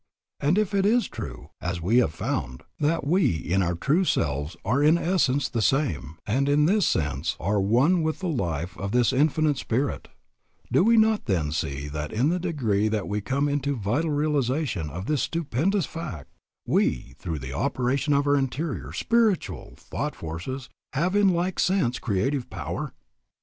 And if it is true, as we have found, that we in our true selves are in essence the same, and in this sense are one with the life of this Infinite Spirit, do we not then see that in the degree that we come into a vital realization of this stupendous fact, we, through the operation of our interior, spiritual, thought forces, have in like sense creative power?